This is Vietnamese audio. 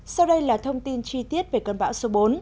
sau đây là thông tin chi tiết về cơn bão số bốn